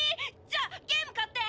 じゃあゲーム買って！